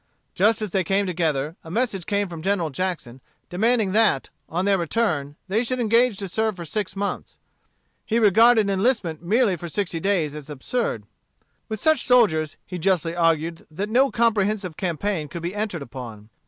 Just as they came together, a message came from General Jackson, demanding that, on their return, they should engage to serve for six months. He regarded enlistment merely for sixty days as absurd. With such soldiers, he justly argued that no comprehensive campaign could be entered upon.